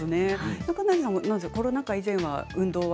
中谷さんもコロナ禍以前は運動は？